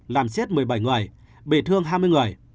làm chết một mươi bảy người bị thương hai mươi người